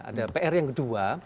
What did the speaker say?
ada pr yang kedua